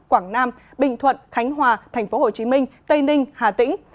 quảng nam bình thuận khánh hòa tp hcm tây ninh hà tĩnh